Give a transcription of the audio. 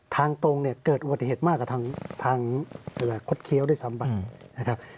ทางตรงเนี่ยเกิดอุบัติเหตุมากกว่าทางคดเคี้ยวด้วยซ้ำไปนะครับ